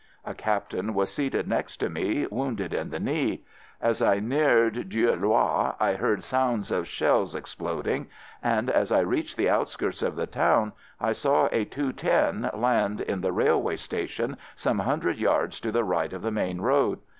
A captain was seated next to me, wounded in the knee. As I neared Dieulouard I heard sounds of shells 50 AMERICAN AMBULANCE exploding, and as I reached the outskirts of the town I saw a "210" land in the railway station some hundred yards to the right of the main road.